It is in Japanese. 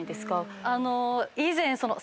あの以前。